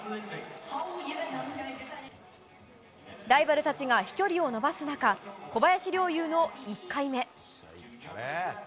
ライバルたちが飛距離を伸ばす中、小林陵侑の１回目。